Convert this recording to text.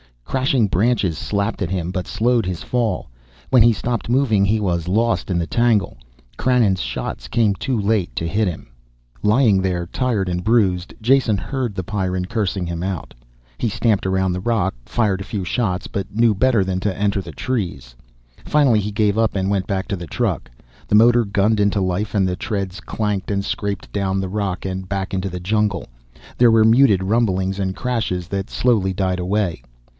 Crashing branches slapped at him, but slowed his fall. When he stopped moving he was lost in the tangle. Krannon's shots came too late to hit him. Lying there, tired and bruised, Jason heard the Pyrran cursing him out. He stamped around on the rock, fired a few shots, but knew better than to enter the trees. Finally he gave up and went back to the truck. The motor gunned into life and the treads clanked and scraped down the rock and back into the jungle. There were muted rumblings and crashes that slowly died away.